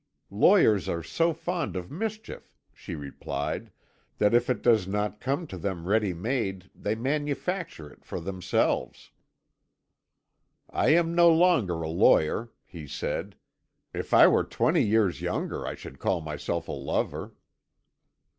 "Lawyers are so fond of mischief," she replied, "that if it does not come to them ready made they manufacture it for themselves." "I am no longer a lawyer," he said; "if I were twenty years younger I should call myself a lover."